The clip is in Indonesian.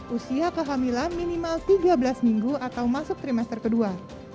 usia kehamilan minimal tiga belas minggu atau masuk trimester kedua